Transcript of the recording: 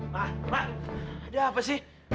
ma ma dia apa sih